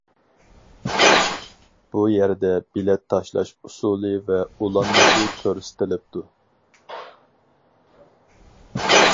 بۇ يەردە بېلەت تاشلاش ئۇسۇلى ۋە ئۇلانمىسى كۆرسىتىلىپتۇ.